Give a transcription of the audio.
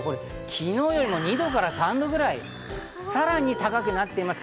昨日よりも２度から３度ぐらいさらに高くなっています。